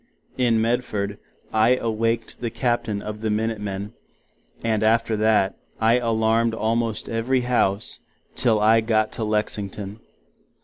In Medford, I awaked the Captain of the Minute men; and after that, I alarmed almost every House, till I got to Lexington.